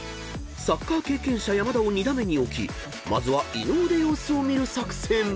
［サッカー経験者山田を２打目に置きまずは伊野尾で様子を見る作戦］